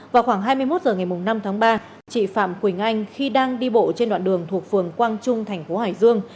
vào khoảng hai mươi một h ngày năm tháng ba chị phạm quỳnh anh khi đang đi bộ trên đoạn đường thuộc phường quang trung thành phố hải dương